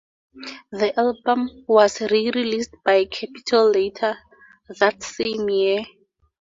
The album was rereleased by Capitol later that same year.